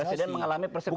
presiden mengalami persekusi